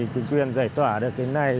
thì quyền giải tỏa được cái này